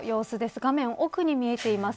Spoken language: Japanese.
画面奥に見えています